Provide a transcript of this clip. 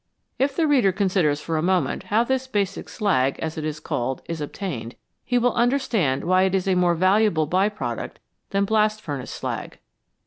If the reader considers for a moment how this basic slag, as it is called, is obtained, he will understand why it is a more valuable by product than blast furnace slag.